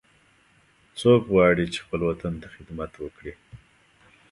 څوک غواړي چې خپل وطن ته خدمت وکړي